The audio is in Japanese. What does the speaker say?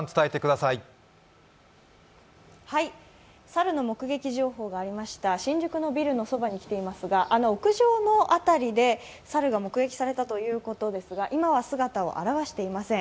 猿の目撃情報がありました新宿のビルのそばに来ていますが、あの屋上の辺りで猿が目撃されたということですが今は姿を現していません。